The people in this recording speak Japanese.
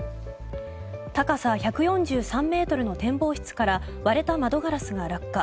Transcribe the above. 高さ１４３ｍの展望室から割れた窓ガラスが落下。